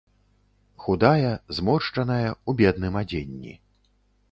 Худая, зморшчаная, у бедным адзенні.